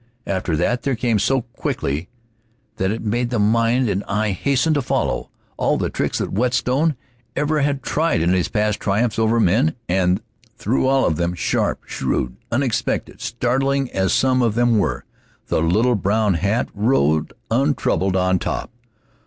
After that there came, so quickly that it made the mind and eye hasten to follow, all the tricks that Whetstone ever had tried in his past triumphs over men; and through all of them, sharp, shrewd, unexpected, startling as some of them were, that little brown hat rode untroubled on top.